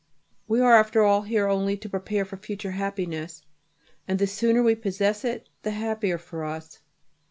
We are after all here only to prepare for future happiness, and the sooner we possess it the happier for us.